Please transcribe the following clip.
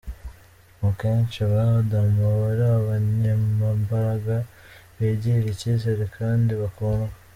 Akenshi ba Adam aba ari abanyembaraga, bigirira icyizere kandi bakundwa.